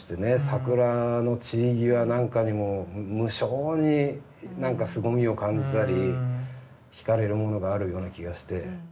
桜の散り際なんかにも無性になんかすごみを感じたりひかれるものがあるような気がして。